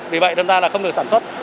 vì vậy đâm ra là không được sản xuất